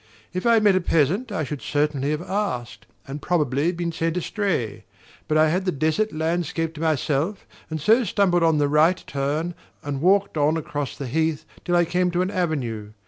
If I had met a peasant I should certainly have asked, and probably been sent astray; but I had the desert landscape to myself, and so stumbled on the right turn and walked on across the heath till I came to an avenue.